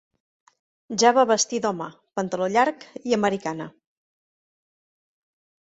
Ja va vestir d'home: pantaló llarg i americana